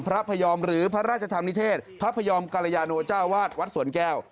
พยอมหรือพระราชธรรมนิเทศพระพยอมกรยาโนเจ้าวาดวัดสวนแก้ว